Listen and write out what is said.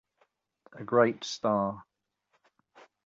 A great star.